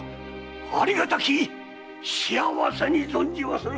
ありがたき幸せに存じまする！